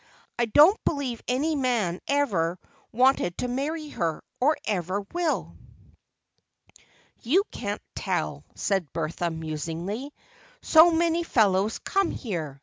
I don't believe any man ever wanted to marry her, or ever will." "You can't tell," said Bertha musingly. "So many fellows come here!